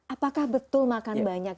apakah betul makan banyak